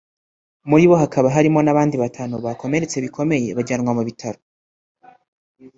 muri bo hakaba harimo n’abandi batanu bakomeretse bikomeye bajyanwa mu bitaro